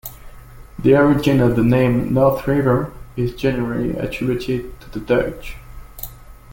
The origin of the name "North River" is generally attributed to the Dutch.